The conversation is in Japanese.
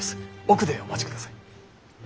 奥でお待ちください。